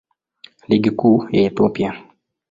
Ligi Kuu ya Ethiopia.